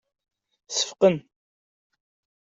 Seffqen.